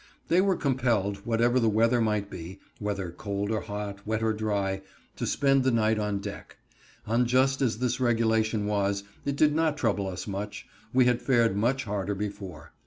They were compelled, whatever the weather might be,—whether cold or hot, wet or dry,—to spend the night on deck. Unjust as this regulation was, it did not trouble us much; we had fared much harder before.